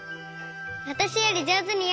わたしよりじょうずにやるのよ！